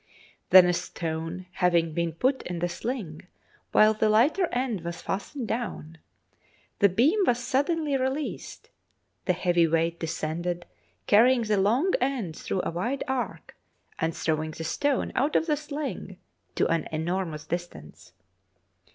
Then a stone having been put in the sling while the lighter end was fastened down, the beam was suddenly re leased, the heavy weight descended, carrying the long end through a wide arc, and throwing the stone out of the sling to an enormous distance.